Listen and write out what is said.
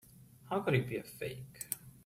How could he be a fake?